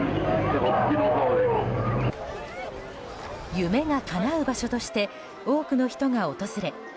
夢がかなう場所として多くの人が訪れ